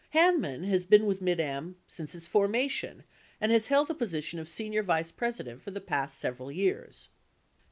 20 Hanman has been with Mid Am since its formation and has held the position of senior vice president for the past several years.